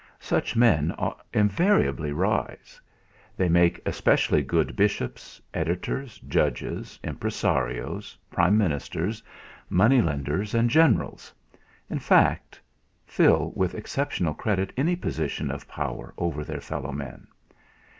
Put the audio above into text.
Such men invariably rise. They make especially good bishops, editors, judges, impresarios, Prime ministers, money lenders, and generals; in fact, fill with exceptional credit any position of power over their fellow men.